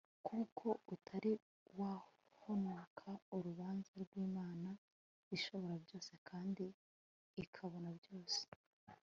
kuko utari wahonoka urubanza rw'imana ishobora byose kandi ikabona byose